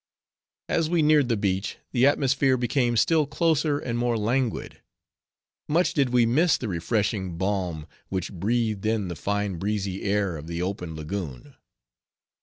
As we neared the beach, the atmosphere became still closer and more languid. Much did we miss the refreshing balm which breathed in the fine breezy air of the open lagoon.